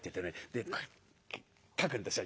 でこう書くんですよ。